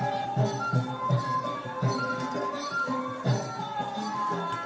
การทีลงเพลงสะดวกเพื่อความชุมภูมิของชาวไทย